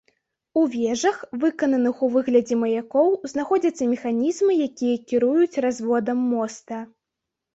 У вежах, выкананых у выглядзе маякоў, знаходзяцца механізмы, якія кіруюць разводам моста.